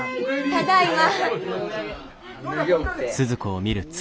ただいま。